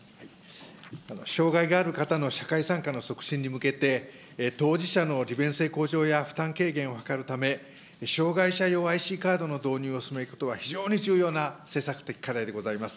障害がある方の社会参加の促進に向けて、当事者の利便性向上や負担軽減を図るため、障害者用ＩＣカードの導入を進めることは非常に重要な政策的課題でございます。